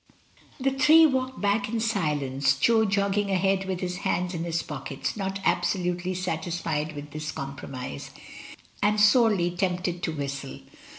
The three walked back in silence, Jo jogging ahead with his hands in his pockets, not absolutely satisfied with this compromise, and sorely tempted to whistle.